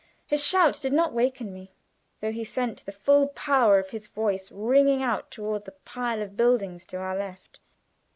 His shout did not waken me, though he sent the full power of his voice ringing out toward the pile of buildings to our left.